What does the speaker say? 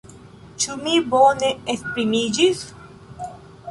Ĉu mi bone esprimiĝis?